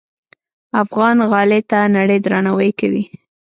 افغان غالۍ ته نړۍ درناوی کوي.